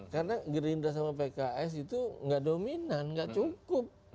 karena gerindra sama pks itu nggak dominan nggak cukup